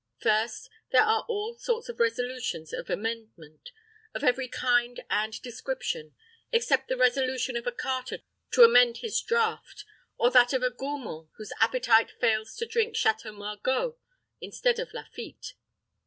First, there are all sorts of resolutions of amendment, of every kind and description, except the resolution of a carter to amend his draught, or that of a gourmand whose appetite fails to drink Chateau Margaux instead of Lafitte.